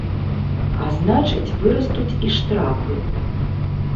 А значыць, вырастуць і штрафы.